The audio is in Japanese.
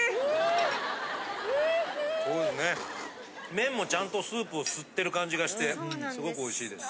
麺もちゃんとスープをすってる感じがしてすごくおいしいです。